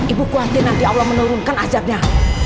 ibu khawatir nanti allah menurunkan ajabnya